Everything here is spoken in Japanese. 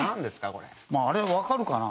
あれわかるかな？